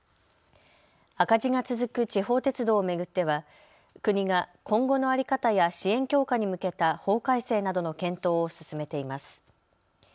赤字が続く地方鉄道を巡っては国が今後の在り方や支援強化に向けた法改正などの検討を進めています。